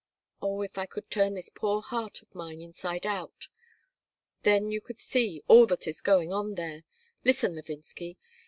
Oh, if I could turn this poor heart of mine inside out! Then you could see all that is going on there. Listen, Levinsky.